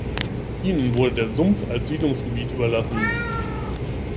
Ihnen wurde der Sumpf als Siedlungsgebiet überlassen.